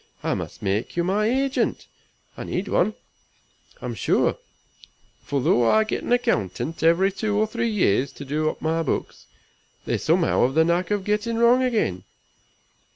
I must make you my agent. I need one, I'm sure; for though I get an accountant every two or three years to do up my books, they somehow have the knack of getting wrong again.